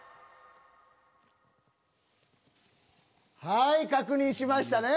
はい確認しましたね。